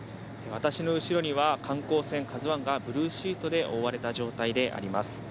私の後ろには観光船「ＫＡＺＵ１」がブルーシートで覆われた状態であります。